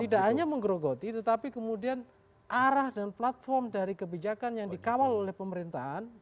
tidak hanya menggerogoti tetapi kemudian arah dan platform dari kebijakan yang dikawal oleh pemerintahan